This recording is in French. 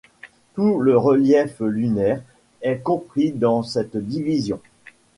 Tout le relief lunaire est compris dans cette division.